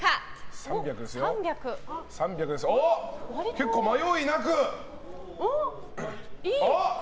結構迷いなく。